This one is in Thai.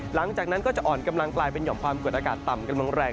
หลังจากนั้นก็จะอ่อนกำลังกลายเป็นหอมความกดอากาศต่ำกำลังแรง